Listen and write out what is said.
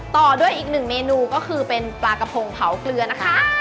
ต่อด้วยอีกหนึ่งเมนูก็คือเป็นปลากระพงเผาเกลือนะคะ